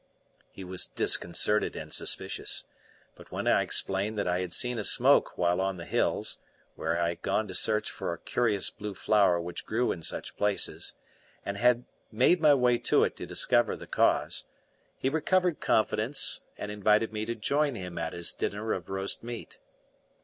He was disconcerted and suspicious, but when I explained that I had seen a smoke while on the hills, where I had gone to search for a curious blue flower which grew in such places, and had made my way to it to discover the cause, he recovered confidence and invited me to join him at his dinner of roast meat.